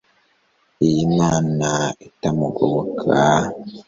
iylmana itamugoboka